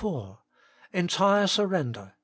4), entire Surrender (ch.